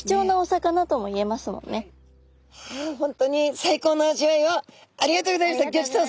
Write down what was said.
本当に最高の味わいをありがとうございました。